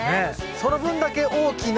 その分だけ大きな？